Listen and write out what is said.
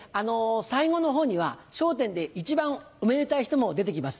最後の方には『笑点』で一番おめでたい人も出てきます。